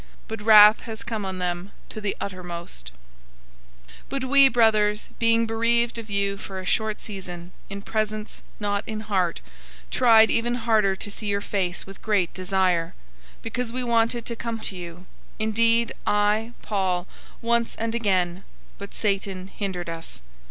But wrath has come on them to the uttermost. 002:017 But we, brothers, being bereaved of you for a short season, in presence, not in heart, tried even harder to see your face with great desire, 002:018 because we wanted to come to you indeed, I, Paul, once and again but Satan hindered us.